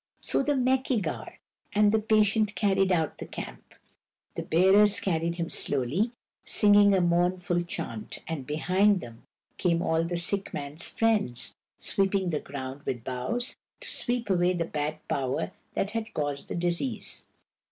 So the Meki gar had the patient carried out of the camp. The bearers carried him slowly, sing ing a mournful chant ; and behind them came all the sick man's friends, sweeping the ground with boughs, to sweep away the bad power that had caused the disease.